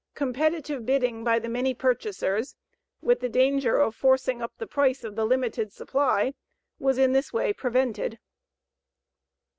Competitive bidding by the many purchasers, with the danger of forcing up the price of the limited supply, was in this way prevented.